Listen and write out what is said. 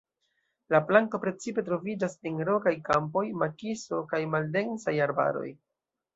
La planto precipe troviĝas en rokaj kampoj, makiso kaj maldensaj arbaroj.